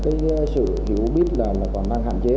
cái sự hiểu biết là còn đang hạn chế